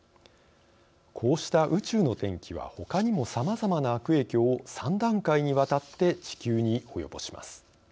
こうした「宇宙の天気」はほかにもさまざまな悪影響を３段階にわたって地球に及ぼします。